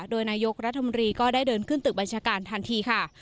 โดยนายกรัฐมนตรีก็ได้เดินขึ้นตึกบัญชาการทันทีค่ะ